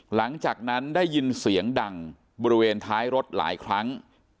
หลังจากนั้นได้ยินเสียงดังบริเวณท้ายรถหลายครั้ง